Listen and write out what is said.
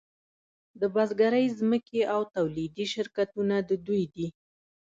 د بزګرۍ ځمکې او تولیدي شرکتونه د دوی دي